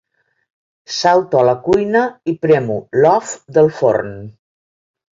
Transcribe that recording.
Salto a la cuina i premo l'off del forn.